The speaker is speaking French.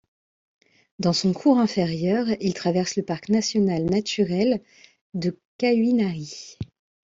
Dans son cours inférieur, il traverse le parc national naturel de Cahuinarí.